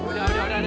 udah udah udah